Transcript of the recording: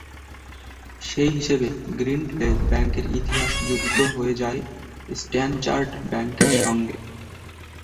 সেই হিসেবে, গ্রিন্ডলেজ ব্যাংকের ইতিহাস যুক্ত হয়ে যায় স্ট্যানচার্ট ব্যাংকের সঙ্গে।